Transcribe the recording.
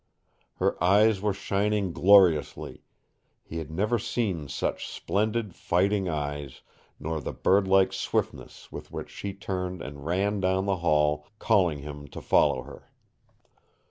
Her eyes were shining gloriously. He had never seen such splendid, fighting eyes, nor the birdlike swiftness with which she turned and ran down the hall, calling him to follow her.